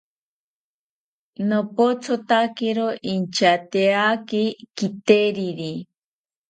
Nopothotakiro inchateyaki kiteriri